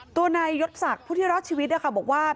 ตัวนายยศศักดิ์ฟุทธิรอสชีวิตบอกว่า